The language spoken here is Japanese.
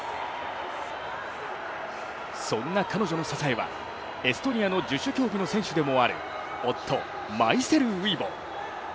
そんな彼女の支えは、エストニアの十種競技の選手でもある夫、マイセル・ウイボ。